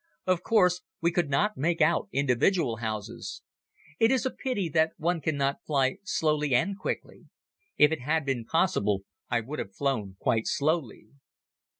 Of course we could not make out individual houses. It is a pity that one cannot fly slowly and quickly. If it had been possible I would have flown quite slowly.